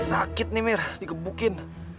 sakit nih mir dikebukin